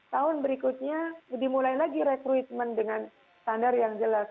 tahun berikutnya dimulai lagi rekrutmen dengan standar yang jelas